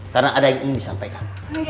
karena ada yang ingin disampaikan